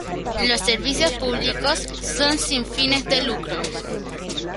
Los servicios públicos son sin fines de lucro.